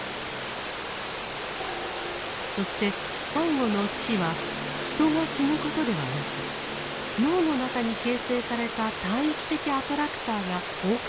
そして最後の「死」は人が死ぬことではなく脳の中に形成された大域的アトラクターが崩壊することを意味します。